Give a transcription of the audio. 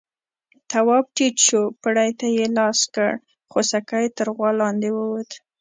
تواب ټيټ شو، پړي ته يې لاس کړ، خوسکی تر غوا لاندې ووت.